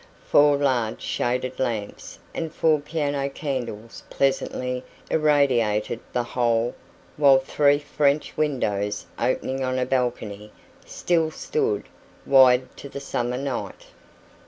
Four large shaded lamps and four piano candles pleasantly irradiated the whole; while three French windows, opening on a balcony, still stood wide to the summer night.